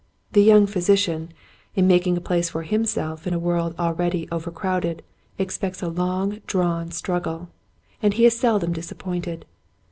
The young physician in making a place for himself in a world already overcrowded expects a long drawn struggle, and he is seldom disappointed.